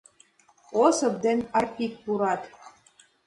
Осып ден Арпик пурат.